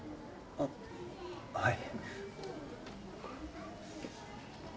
あっはい。